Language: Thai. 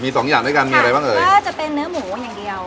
มีสองอย่างด้วยกันมีอะไรบ้างเอ่ยก็จะเป็นเนื้อหมูอย่างเดียว